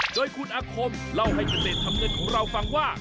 โดยคุณอาคมเล่าให้เกษตรทำเงินของเราฟังว่า